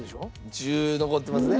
１０残ってますね。